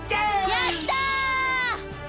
やった！